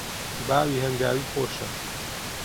باوی هەنگاوی خۆشە